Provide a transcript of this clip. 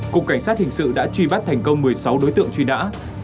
cục cảnh sát hình sự đã truy bắt thành công một mươi sáu đối tượng truy nã